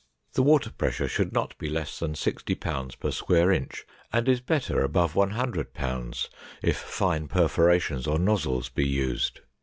The water pressure should not be less than sixty pounds per square inch and is better above one hundred pounds if fine perforations or nozzles be used.